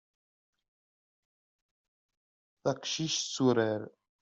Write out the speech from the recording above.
Taqcic tetturar.